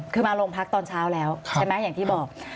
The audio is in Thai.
คือมาโรงพักตอนเช้าแล้วใช่ไหมอย่างที่บอก